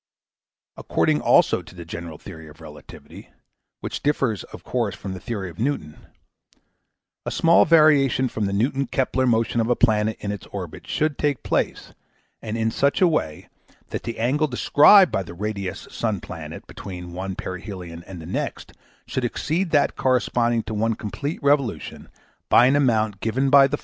According also to the general theory of relativity, which differs of course from the theory of Newton, a small variation from the Newton Kepler motion of a planet in its orbit should take place, and in such away, that the angle described by the radius sun planet between one perhelion and the next should exceed that corresponding to one complete revolution by an amount given by eq.